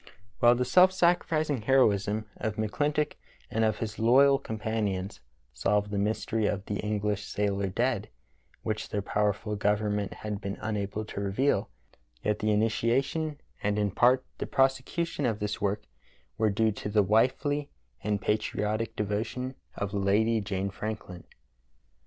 " While the self sacrificing heroism of McClintock and of his loyal companions solved the mystery of the English sailor dead, which their pow^erful government had been unable to reveal, yet the initiation and in part the prosecution of this work were due to the wifely and patriotic devotion of Lady Jane Franklin.